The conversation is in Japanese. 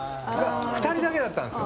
２人だけだったんですよ。